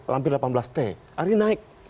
hampir delapan belas t akhirnya naik